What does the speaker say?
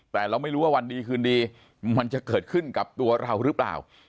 แต่เราไม่รู้ว่าวันดีคืนดีมันจะเกิดขึ้นกับตัวเราหรือเปล่า